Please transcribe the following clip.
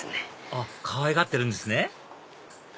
あっかわいがってるんですね